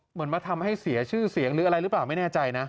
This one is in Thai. เหมือนมาทำให้เสียชื่อเสียงหรืออะไรหรือเปล่าไม่แน่ใจนะ